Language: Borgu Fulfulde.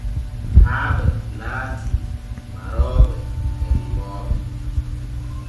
Haaɓe laati marooɓe he remmoɓe.